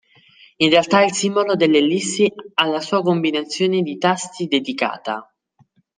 In realtà il simbolo dell'ellissi ha la sua combinazione di tasti dedicata.